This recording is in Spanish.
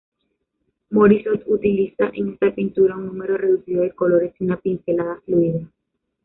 Morisot utiliza en esta pintura un número reducido de colores y una pincelada fluida.